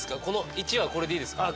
位置はこれでいいですか？